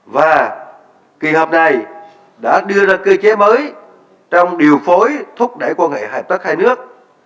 và kỳ họp này đã đưa ra cơ chế mới trong điều phối thúc đẩy quan hệ hợp tác hai nước